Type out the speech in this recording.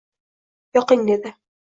Yoqing, — dedi